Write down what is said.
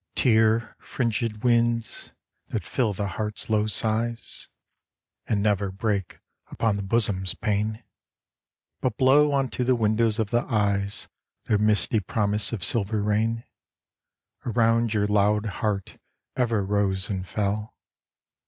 Tear fringed winds that fill the heart's low sighs And never break upon the bosom's pain, 80 BEFORE THE TEARS 8l But blow unto the windows of the eyes Their misty promises of silver rain, Around your loud heart ever rose and fell.